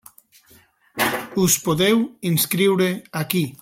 Us podeu inscriure aquí.